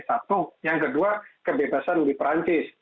satu yang kedua kebebasan di perancis